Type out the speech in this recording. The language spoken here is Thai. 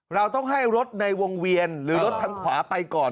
เราต้องให้รถในวงเวียนหรือรถทางขวาไปก่อน